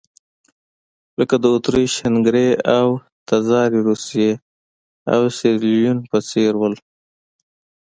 لکه د اتریش-هنګري او تزاري روسیې او سیریلیون په څېر وو.